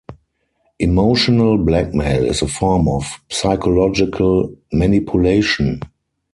Emotional blackmail is a form of psychological manipulation.